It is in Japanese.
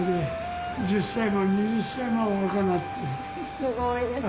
すごいです。